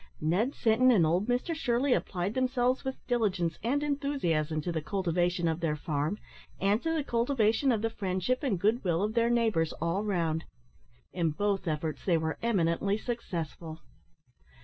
Ned Sinton and old Mr Shirley applied themselves with diligence and enthusiasm to the cultivation of their farm, and to the cultivation of the friendship and good will of their neighbours all round. In both efforts they were eminently successful.